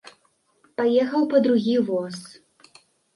Паехаў па другі воз.